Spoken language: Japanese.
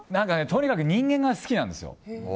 とにかく人間が好きなんですよ。